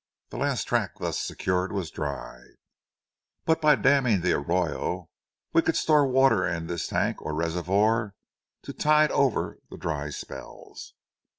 The last tract thus secured was dry, but by damming the arroyo we could store water in this tank or reservoir to tide over the dry spells.